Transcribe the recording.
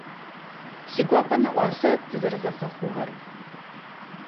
Сигуапэ нэӏуасэ тызэрэзэфэхъугъэр.